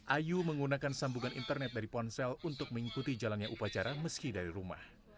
ayu menggunakan sambungan internet dari ponsel untuk mengikuti jalannya upacara meski dari rumah